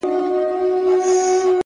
څوک وایي گران دی! څوک وای آسان دی!